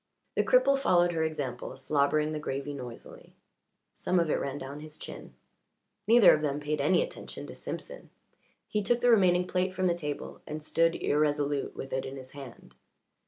The cripple followed her example, slobbering the gravy noisily; some of it ran down his chin. Neither of them paid any attention to Simpson. He took the remaining plate from the table and stood irresolute with it in his hand.